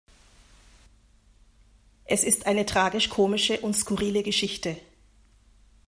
Es ist eine tragisch-komische und skurrile Geschichte.